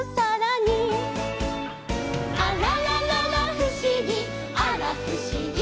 「あららららふしぎあらふしぎ」